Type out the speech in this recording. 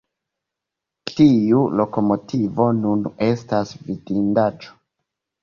Tiu lokomotivo nun estas vidindaĵo.